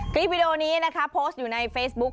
วิดีโอนี้นะคะโพสต์อยู่ในเฟซบุ๊ค